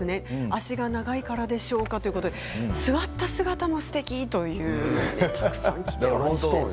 脚が長いからでしょうかということで座った姿もすてきとたくさんきています。